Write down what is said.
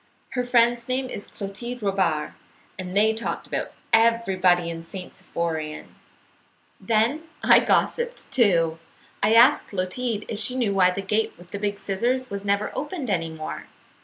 Her friend's name is Clotilde Robard. They talked about everybody in St. Symphorien. "Then I gossiped, too. I asked Clotilde Robard if she knew why the gate with the big scissors was never opened any more.